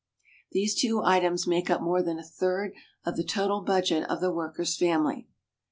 These two items make up more than a third of the total budget of the worker's family.